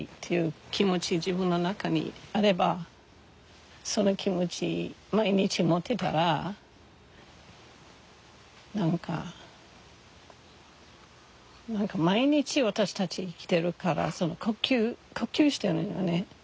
自分の中にあればその気持ち毎日持ってたら何か何か毎日私たち生きてるから呼吸してるよね。